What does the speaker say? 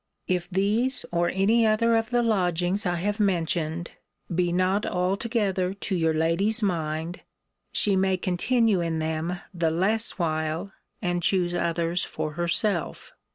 If these, or any other of the lodgings I have mentioned, be not altogether to your lady's mind, she may continue in them the less while, and choose others for herself.